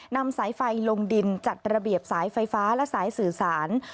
นำสายไฟลงดินจัดระเบียบสายไฟฟ้าและสายสื่อสาร